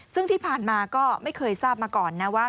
ซึ่งที่ผ่านมาก็ไม่เคยทราบมาก่อนนะว่า